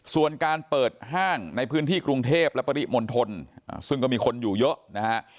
ส่วนการเปิดห้างในพื้นที่กรุงเทพและปริมณฑลซึ่งก็มีคนอยู่เยอะนะฮะ